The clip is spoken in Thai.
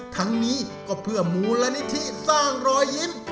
ทั้งนี้ก็เพื่อมูลนิธิสร้างรอยยิ้ม